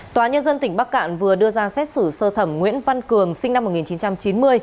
tòa nhân dân tỉnh bắc cạn vừa đưa ra xét xử sơ thẩm nguyễn văn cường sinh năm một nghìn chín trăm chín mươi